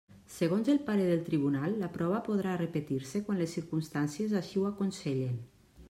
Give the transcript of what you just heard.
Segons el parer del tribunal, la prova podrà repetir-se quan les circumstàncies així ho aconsellen.